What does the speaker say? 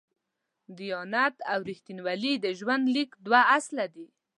دیانت او رښتینولي د ژوند لیک دوه اصله دي.